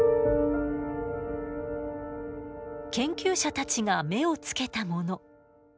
研究者たちが目をつけたもの